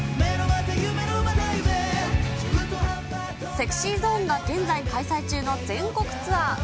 ＳｅｘｙＺｏｎｅが現在開催中の全国ツアー。